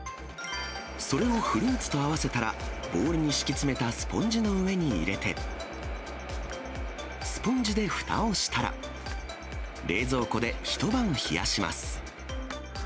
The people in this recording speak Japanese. それをフルーツと合わせたら、ボウルに敷き詰めたスポンジの上に入れて、スポンジでふたをしたら、冷蔵庫で一晩冷やします。